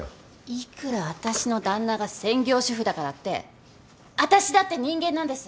いくらあたしの旦那が専業主夫だからってあたしだって人間なんです！